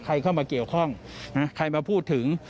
ใครเข้ามาเกี่ยวข้องใครมาพูดถึง